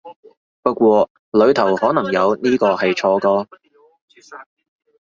不過裡頭可能有呢個係錯個